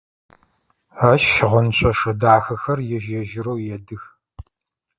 Ащ щыгъын шъошэ дахэхэр ежь-ежьырэу едых.